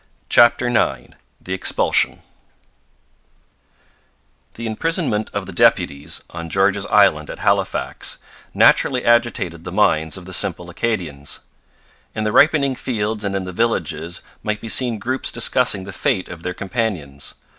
CHAPTER IX THE EXPULSION The imprisonment of the deputies, on George's Island at Halifax, naturally agitated the minds of the simple Acadians. In the ripening fields and in the villages might be seen groups discussing the fate of their companions.